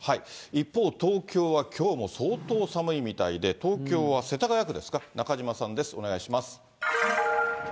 一方、東京はきょうも相当寒いみたいで、東京は世田谷区ですか、中島さんです、お願いします。